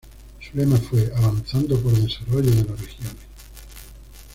Su lema fue ""Avanzando por Desarrollo de las Regiones"".